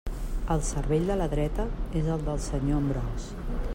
El cervell de la dreta és el del senyor Ambròs?